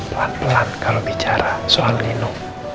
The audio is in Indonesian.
pelan pelan kalau bicara soal lino